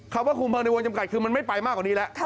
คำว่าคุมเพลิงในวงจำกัดคือมันไม่ไปมากกว่านี้แล้ว